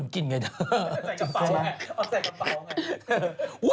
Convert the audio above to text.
กินไงนะ